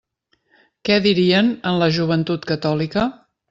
Què dirien en la Joventut Catòlica?